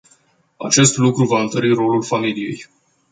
Acest lucru va întări rolul familiei.